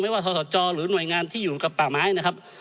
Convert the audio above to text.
ว่าทศจหรือหน่วยงานที่อยู่กับป่าไม้นะครับ